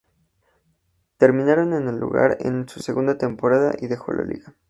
Terminaron en el último lugar en su segunda temporada y dejó la liga.